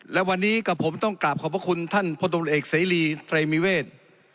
และวันนี้กับผมต้องกราบขอบคุณท่านพตเอกเสรีไตรมิเวศ